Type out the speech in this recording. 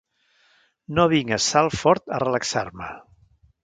No vinc a Salford a relaxar-me.